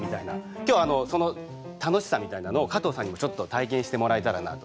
今日はその楽しさみたいなのを加藤さんにもちょっと体験してもらえたらなと。